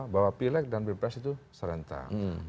bahwa pilek dan pilpres itu serentak